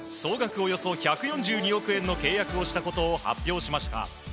およそ１４２億円の契約をしたことを発表しました。